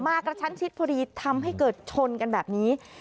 กระชั้นชิดพอดีทำให้เกิดชนกันแบบนี้